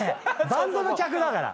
バンドの客だから。